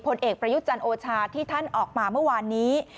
ผลเอกประยุจันทร์โอชาที่ท่านออกมาเมื่อวานนี้